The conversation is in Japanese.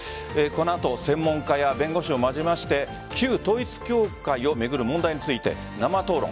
この後専門家や弁護士を交えまして旧統一教会を巡る問題について生討論。